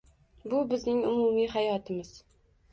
bu bizning umumiy hayotimiz